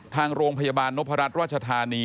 ทางโรงพยาบาลนพรัชราชธานี